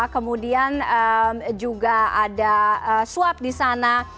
kemudian juga ada swab di sana